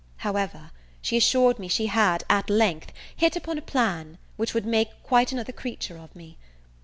However, she assured me she had, at length, hit upon a plan, which would make quite another creature of me.